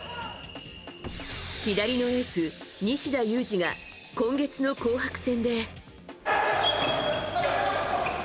左のエース、西田有志が今月の紅白戦で。